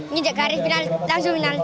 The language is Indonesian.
nginjak garis langsung penalti